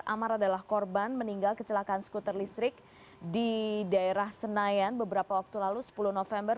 amar adalah korban meninggal kecelakaan skuter listrik di daerah senayan beberapa waktu lalu sepuluh november